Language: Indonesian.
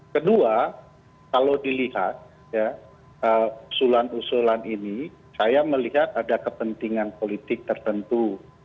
kedua kalau dilihat ya usulan usulan ini saya melihat ada kepentingan politik tertentu